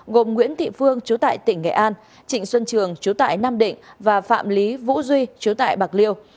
gồm nguyễn thị phương chú tại tỉnh nghệ an trịnh xuân trường chú tại nam định và phạm lý vũ duy chú tại bạc liêu